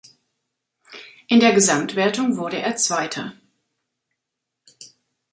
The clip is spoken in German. In der Gesamtwertung wurde er Zweiter.